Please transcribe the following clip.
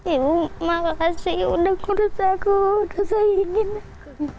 ibu makasih udah kudus aku udah sayangin aku